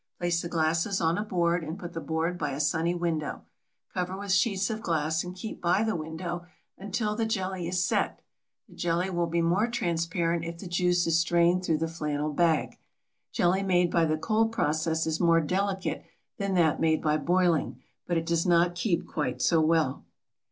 Place the glasses on a board and put the board by a sunny window. Cover with sheets of glass and keep by the window until the jelly is set. The jelly will be more transparent if the juice is strained through the flannel bag. Jelly made by the cold process is more delicate than that made by boiling, but it does not keep quite so well.